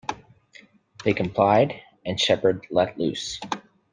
They complied and Shepard let loose.